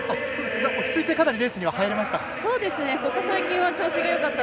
落ち着いてレースには入れました？